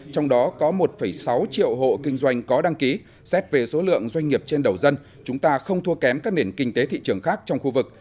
trong đó có một sáu triệu hộ kinh doanh có đăng ký xét về số lượng doanh nghiệp trên đầu dân chúng ta không thua kém các nền kinh tế thị trường khác trong khu vực